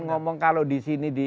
ngomong kalau disini